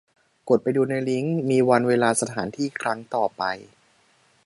กดไปดูในลิงก์ มีวันเวลาสถานที่ครั้งต่อไป